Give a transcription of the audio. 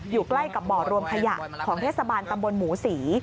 อยู่ใกล้กับบ่อรวมขยะของเทศบาลตำบลหมูศรี